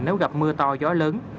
nếu gặp mưa to gió lớn